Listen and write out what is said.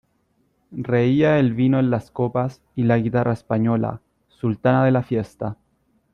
reía el vino en las copas, y la guitarra española , sultana de la fiesta ,